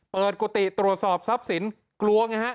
เปิดกุฏิตรวจสอบซับสินกลัวไงฮะ